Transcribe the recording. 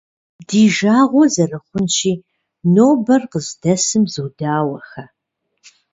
Ди жагъуэ зэрыхъунщи, нобэр къыздэсым зодауэхэ.